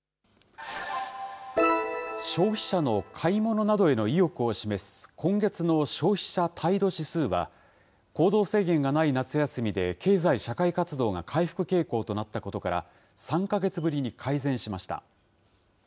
消費者の買い物などへの意欲を示す、今月の消費者態度指数は、行動制限がない夏休みで経済社会活動が回復傾向となったことから、３か月ぶりに改善しました。